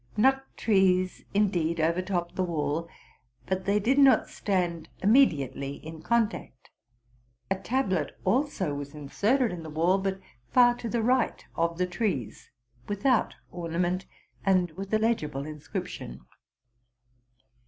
Nut trees, indeed, overtopped the wall; but they did not stand immediately in contact. A tablet also was inserted in the wall, but far to the right of the trees, without ornament, and with a legible inscription.